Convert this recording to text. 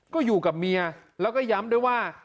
ก็อยู่กับเมียแล้วก็ย้ำด้วยว่า